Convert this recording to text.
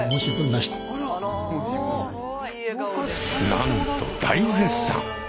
なんと大絶賛！